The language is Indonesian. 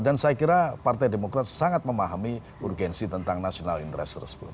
dan saya kira partai demokrat sangat memahami urgensi tentang national interest tersebut